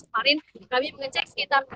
kemarin kami mengecek sekitar dua puluh delapan